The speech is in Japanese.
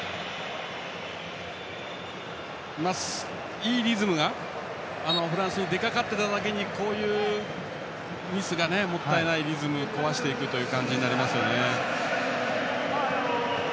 いいリズムがフランスに出かけていただけにこういうミスがもったいなくて、リズムを壊していくという感じになりますよね。